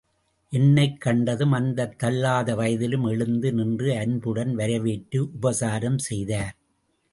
என்னைக் கண்டதும் அந்தத் தள்ளாத வயதிலும் எழுந்து நின்று அன்புடன் வரவேற்று உபசாரம் செய்தார்.